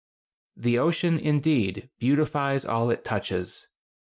The ocean, indeed, beautifies all it touches.